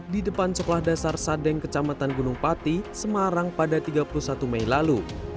di depan sekolah dasar sadeng kecamatan gunung pati semarang pada tiga puluh satu mei lalu